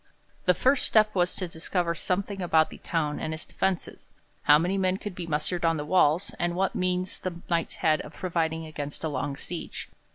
The first step was to discover something about the town and its defences: how many men could be mustered on the walls, and what means the Knights had of providing against a long siege.